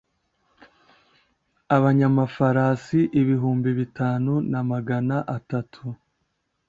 abanyamafarasi ibihumbi bitanu na magana atatu